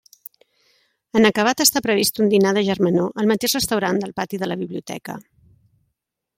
En acabat està previst un dinar de germanor al mateix restaurant del pati de la Biblioteca.